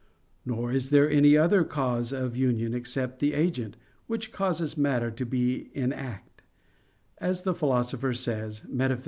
Nor is there any other cause of union except the agent, which causes matter to be in act, as the Philosopher says, _Metaph.